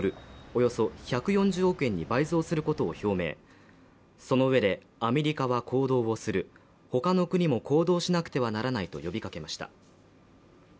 およそ１４０億円に倍増することを表明そのうえでアメリカは行動するほかの国も行動しなくてはならないと呼びかけました